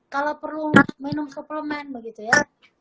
kalau perlu minum suplemen begitu ya